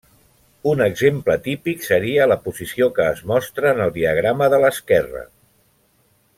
Un exemple típic seria la posició que es mostra en el diagrama de l'esquerra.